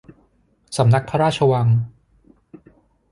สำนักพระราชวัง